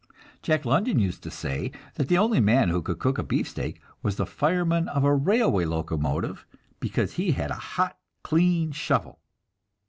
Jack London used to say that the only man who could cook a beefsteak was the fireman of a railway locomotive, because he had a hot, clean shovel.